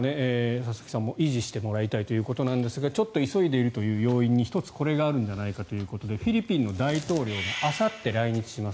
佐々木さんも維持してもらいたいということなんですがちょっと急いでいるという要因に１つ、これがあるんじゃないかということでフィリピンの大統領があさって、来日します。